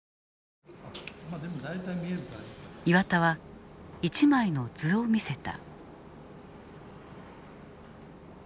岩田は一枚の図を見せた。